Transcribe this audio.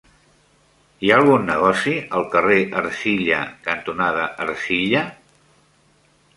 Hi ha algun negoci al carrer Ercilla cantonada Ercilla?